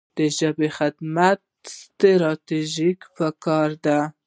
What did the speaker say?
د ژبې خدمت ستراتیژیک کار دی.